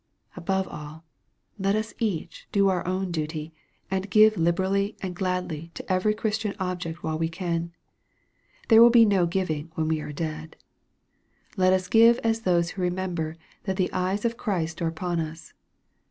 Above all, let us each do our own duty, and give liber ally and gladly to every Christian object while we can. There will be no giving when we are dead. Let us give as those who remember that the eyes of Christ are upon as.